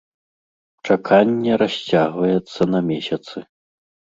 Чаканне расцягваецца на месяцы.